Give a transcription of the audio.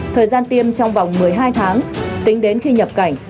thời gian tiêm trong vòng một mươi hai tháng tính đến khi nhập cảnh